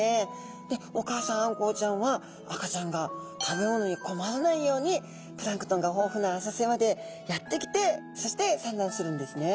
でお母さんあんこうちゃんは赤ちゃんが食べ物に困らないようにプランクトンが豊富な浅瀬までやって来てそして産卵するんですね。